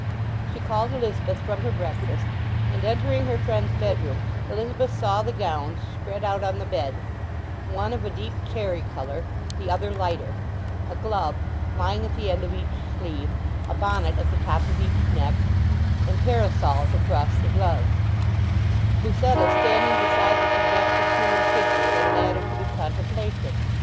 She called Elizabeth from her breakfast, and entering her friend's bedroom Elizabeth saw the gowns spread out on the bed, one of a deep cherry colour, the other lighter—a glove lying at the end of each sleeve, a bonnet at the top of each neck, and parasols across the gloves, Lucetta standing beside the suggested human figure in an attitude of contemplation.